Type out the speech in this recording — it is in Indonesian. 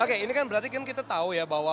oke ini kan berarti kita tahu ya